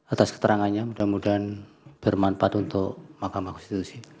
atas keterangannya mudah mudahan bermanfaat untuk mahkamah konstitusi